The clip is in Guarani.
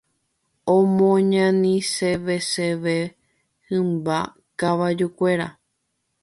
Omoñaniseveseve hymba kavajukuéra.